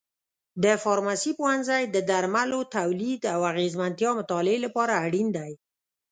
د فارمسي پوهنځی د درملو تولید او اغیزمنتیا مطالعې لپاره اړین دی.